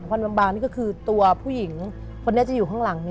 วันบางนี่ก็คือตัวผู้หญิงคนนี้จะอยู่ข้างหลัง